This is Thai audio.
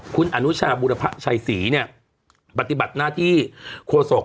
คุณอนุชาบุรพะชัยศรีเนี่ยปฏิบัติหน้าที่โฆษก